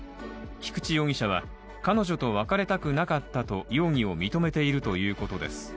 菊地容疑者は彼女と別れたくなかったと容疑を認めているということです。